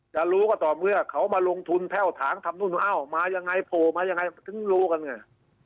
จะรู้ก็ต่อเมื่อเขามาลงทุนแพ่วถางทำนู่นอ้าวมายังไงโผล่มายังไงถึงรู้กันไง